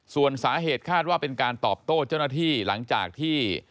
ส่วนสาเหตุคาดว่าเป็นการตอบโต้เจ้าหน้าที่หลังจากที่